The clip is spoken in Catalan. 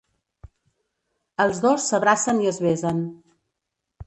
Els dos s'abracen i es besen.